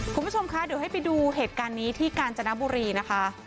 คุณผู้ชมคะเดี๋ยวให้ไปดูเหตุการณ์นี้ที่กาญจนบุรีนะคะ